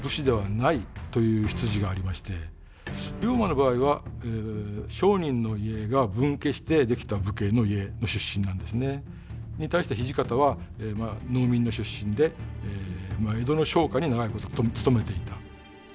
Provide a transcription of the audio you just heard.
龍馬の場合は商人の家が分家してできた家の出身なんですね。に対して土方は農民の出身で江戸の商家に長いこと務めていた。